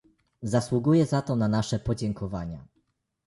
Zasługuje za to na nasze podziękowania